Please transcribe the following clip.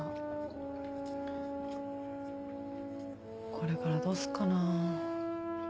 これからどうすっかなぁ。